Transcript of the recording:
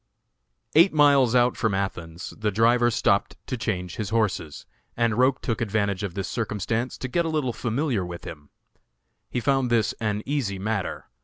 Eight miles out from Athens the driver stopped to change his horses, and Roch took advantage of this circumstance to get a little familiar with him. He found this an easy matter.